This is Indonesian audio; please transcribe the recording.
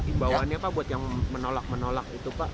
imbawaannya apa buat yang menolak menolak